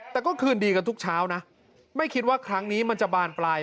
แต่ก็คืนดีกันทุกเช้านะไม่คิดว่าครั้งนี้มันจะบานปลาย